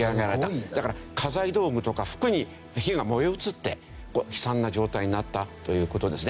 だから家財道具とか服に火が燃え移って悲惨な状態になったという事ですね。